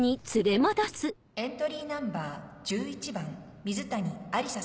エントリーナンバー１１番水谷有紗さん。